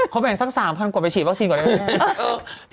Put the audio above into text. พอแปลงสัก๓๐๐๐บาทก่อนไปฉีดวัคซีนก่อนได้เลย